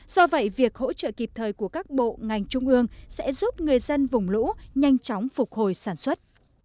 do vậy việc hỗ trợ kịp thời của các bộ ngành trung ương sẽ giúp người dân vùng lũ nhanh chóng phục hồi sản xuất